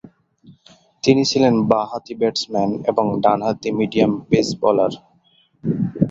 তিনি ছিলেন বাঁহাতি ব্যাটসম্যান এবং ডানহাতি মিডিয়াম পেস বোলার।